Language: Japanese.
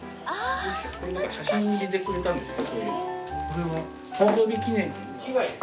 これは？